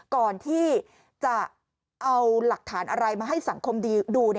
ก่อนที่จะเอาหลักฐานอะไรมาให้สังคมดู